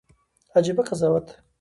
عجيبه قضاوت